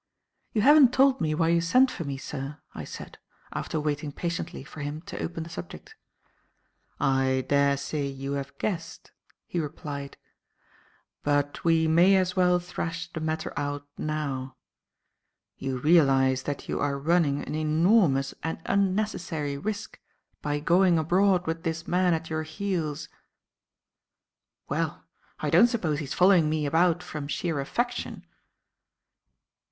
"You haven't told me why you sent for me, sir," I said, after waiting patiently for him to open the subject. "I dare say you have guessed," he replied; "but we may as well thrash the matter out now. You realize that you are running an enormous and unnecessary risk by going abroad with this man at your heels?" "Well, I don't suppose he is following me about from sheer affection."